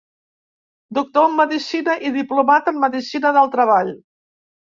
Doctor en Medicina i Diplomat en Medicina del Treball.